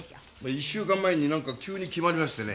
１週間前になんか急に決まりましてね。